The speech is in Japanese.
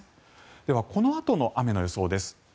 では、このあとの雨の予想です。